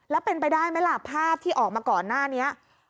แล้วเป็นไปได้ไหมล่ะภาพที่ออกมาก่อนหน้านี้